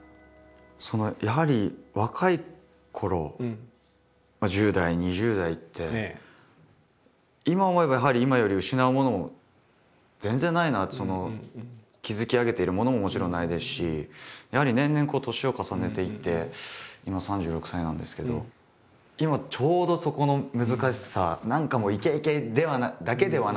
やはり若いころ１０代２０代って今思えばやはり今より失うものも全然ないなって築き上げているものももちろんないですしやはり年々年を重ねていって今３６歳なんですけど今ちょうどそこの難しさ。